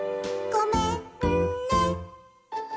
「ごめんね」